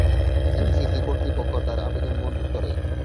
MCC কর্তৃপক্ষ তার আবেদন মঞ্জুর করে।